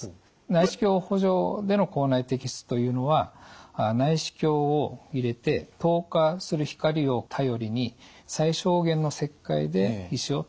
内視鏡補助での口内摘出というのは内視鏡を入れて透過する光を頼りに最小限の切開で石を取り出すと。